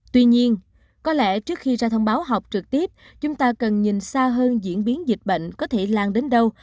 tuy nhiên có lẽ trước khi ra thông báo học trực tiếp chúng ta cần nhìn xa hơn diễn biến dịch bệnh có thể lan đến đâu